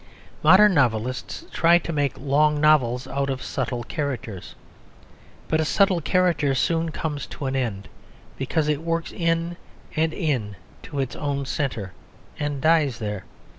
Modern novelists try to make long novels out of subtle characters. But a subtle character soon comes to an end, because it works in and in to its own centre and dies there.